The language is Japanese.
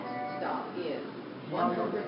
違うようです。